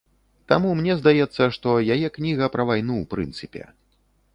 Таму мне здаецца, што яе кніга пра вайну ў прынцыпе.